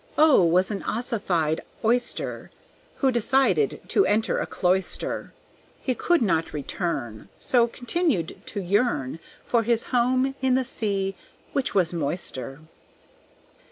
O was an ossified Oyster, Who decided to enter a cloister. He could not return, So continued to yearn For his home in the sea, which was moister.